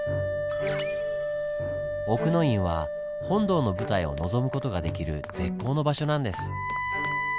奥の院は本堂の舞台を望む事ができる絶好の場所なんです。